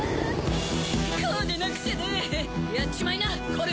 こうでなくちゃねやっちまいなコルン。